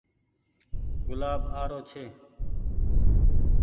گلآب آ رو ڇي ۔